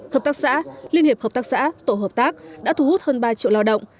hợp tác xã liên hiệp hợp tác xã tổ hợp tác đã thu hút hơn ba triệu lao động